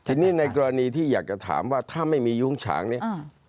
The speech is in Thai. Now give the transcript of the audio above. ทีนี้ในกรณีที่อยากจะถามว่าถ้าไม่มียุ้งฉางเนี่ย